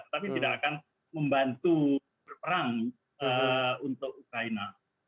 tapi tidak akan membantu berperang untuk ukraina